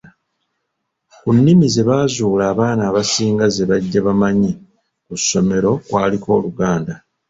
Ku nnimi ze baazuula abaana abasinga ze bajja bamanyi ku ssomero kwaliko Oluganda.